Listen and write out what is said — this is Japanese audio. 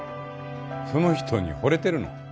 その人にほれてるの？